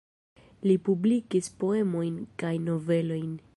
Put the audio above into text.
Li publikis poemojn kaj novelojn.